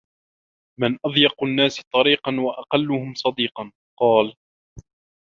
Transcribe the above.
مَنْ أَضْيَقُ النَّاسِ طَرِيقًا وَأَقَلُّهُمْ صَدِيقًا ؟ قَالَ